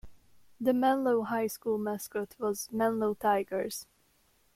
The Menlo High School mascot was Menlo Tigers.